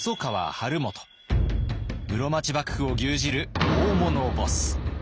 室町幕府を牛耳る大物ボス。